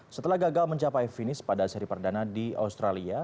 setelah gagal mencapai finish pada seri perdana di australia